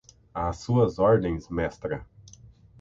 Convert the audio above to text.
Às suas ordens, mestra